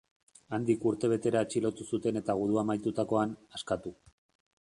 Handik urtebetera atxilotu zuten eta gudua amaitutakoan, askatu.